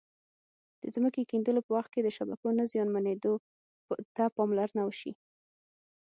د ځمکې کیندلو په وخت کې د شبکو نه زیانمنېدو ته پاملرنه وشي.